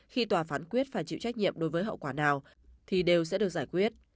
khi tòa phán quyết phải chịu trách nhiệm đối với hậu quả nào thì đều sẽ được giải quyết